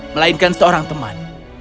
melainkan seorang teman